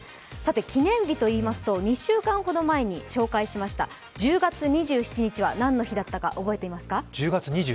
記念日といいますと２週間ほど前に紹介しました１０月２７日は何の日だったか覚えていますか？